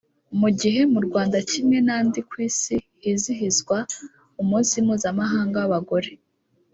Mu gihe mu Rwanda kimwe n’andi ku isi hizihizwa umunsi mpuzamahanga w’abagore